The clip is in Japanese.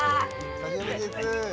久しぶりです。